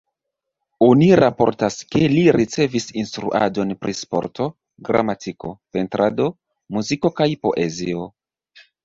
Oni raportas, ke li ricevis instruadon pri sporto, gramatiko, pentrado, muziko kaj poezio.